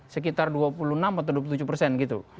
sekitar dua puluh enam atau dua puluh tujuh persen gitu